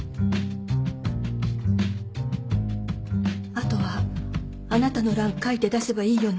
あとはあなたの欄書いて出せばいいようになってるから